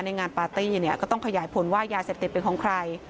งานปาร์ตี้เนี่ยก็ต้องขยายผลว่ายาเสพติดเป็นของใคร